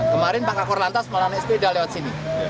kemarin pak kakor lantas malah naik sepeda lewat sini